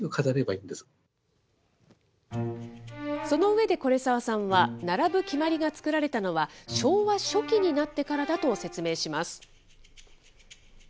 その上で是澤さんは、並ぶ決まりが作られたのは、昭和初期になってからだと説明します。